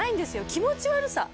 気持ち悪さ。